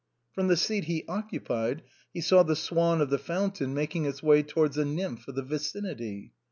From the seat he occupied he saw the swan of the foun tain making its way towards a nymph of the vicinity.